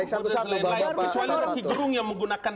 kecuali roky gerung yang menggunakan